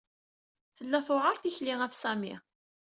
Tella tewɛeṛ tikli ɣef Sami.